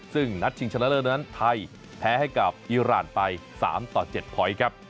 ซึ่งนัดชิงชนะเลิศนั้นไทยแพ้ให้กับอิราณไป๓ต่อ๗พลอยต์ครับ